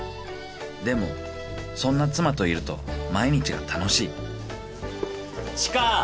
［でもそんな妻といると毎日が楽しい］知花！